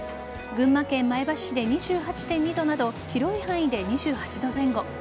群馬県前橋市で２８．２度など広い範囲で２８度前後。